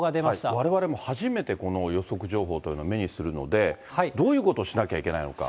われわれも初めてこの予測情報というのを目にするので、どういうことしなきゃいけないのか。